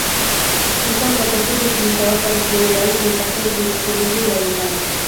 Un contrapeso se utilizaba para asegurar el contacto entre la escobilla y la ventana.